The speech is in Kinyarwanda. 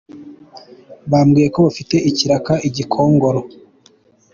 Bambwiye ko bafite ikiraka i Gikongoro.